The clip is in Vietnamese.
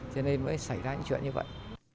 cho nên mới xảy ra những chuyện như vậy